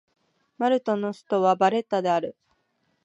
マルタの首都はバレッタである